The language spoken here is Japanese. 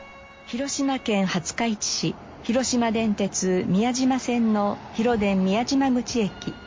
広島県廿日市市広島電鉄宮島線の広電宮島口駅。